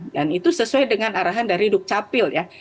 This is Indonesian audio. dan itu sesuai dengan arahan dari dukcapil ya